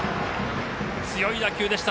強い打球でした。